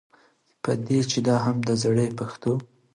په دې چې دا هم د زړې پښتو